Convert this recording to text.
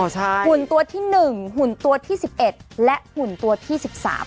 อ๋อใช่หุ่นตัวที่หนึ่งหุ่นตัวที่สิบเอ็ดและหุ่นตัวที่สิบสาม